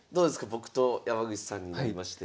僕と山口さんになりまして。